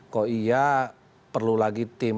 kok iya perlu lagi tim